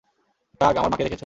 টাগ, আমার মা-কে দেখেছ?